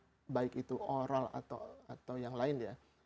belum ada obat baik itu oral atau yang lain ya